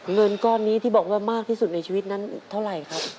เงินก้อนนี้ที่บอกว่ามากที่สุดในชีวิตนั้นเท่าไหร่ครับ